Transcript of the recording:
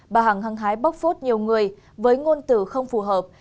bà hằng hăng hái bóc phốt nhiều người với ngôn từ không phù hợp